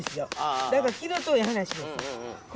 だから気の遠い話ですわ。